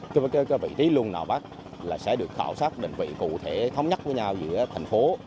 cái vị trí luồng nạo vét là sẽ được khảo sát định vị cụ thể thống nhất với nhau giữa thành phố